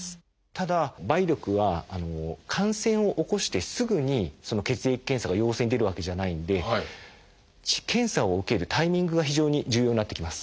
ただ梅毒は感染を起こしてすぐに血液検査が陽性に出るわけじゃないんで検査を受けるタイミングが非常に重要になってきます。